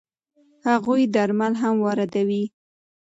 هغوی درمل هم واردوي.